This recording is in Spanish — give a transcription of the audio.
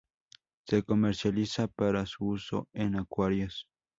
Se comercializa para su uso en acuarios.